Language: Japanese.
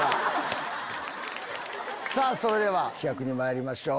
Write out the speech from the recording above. それでは企画にまいりましょう。